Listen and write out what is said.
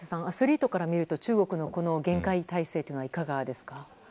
アスリートから見ると中国の厳戒態勢というのはいかがですか？